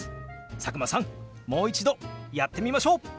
佐久間さんもう一度やってみましょう！